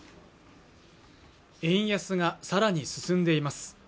円安がさらに進んでいます